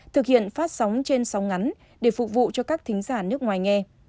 thực hiện phát sóng trên sóng ngắn để phục vụ cho các thính giả nước ngoài nghe